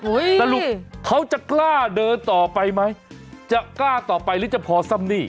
สรุปเขาจะกล้าเดินต่อไปไหมจะกล้าต่อไปหรือจะพอซ้ำหนี้